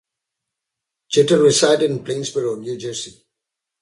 Jeter resided in Plainsboro, New Jersey.